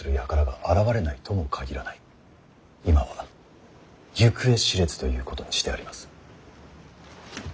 今は行方知れずということにしてあります。